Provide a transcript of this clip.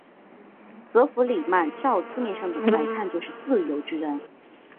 则弗里曼照字面上来看就是自由之人。